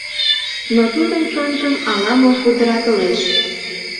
Но тудын чонжым ала-мо пудыратылеш.